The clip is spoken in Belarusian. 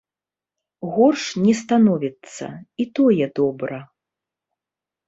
Горш не становіцца, і тое добра.